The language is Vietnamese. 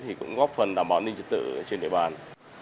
thì cũng góp phần đảm bảo an ninh trật tự trên địa bàn